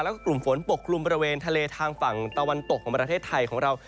แล้วก็กลุ่มฝนปกกลุ่มบริเวณทะเลทางฝั่งตะวันตกของประเทศไทยของเรา